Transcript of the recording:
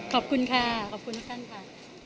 ขอบคุณค่ะขอบคุณทุกท่านค่ะ